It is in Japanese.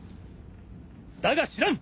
だが知らん！